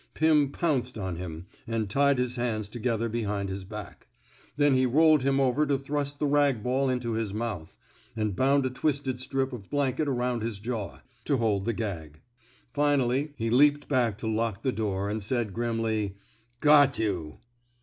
Pim pounced on him, and tied his hands together behind his back; then he rolled him over to thrust the rag ball into his mouth, and bound a twisted strip of blanket around his jaw, to hold the gag; finally he leaped back to lock the door, and said, grimly, '* Got you!